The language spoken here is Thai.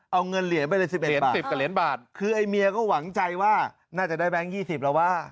เอาเงินเหรียญไปเลย๑๑บาทคือไอ้เมียก็หวังใจว่าน่าจะได้แบงค์๒๐แล้วว่า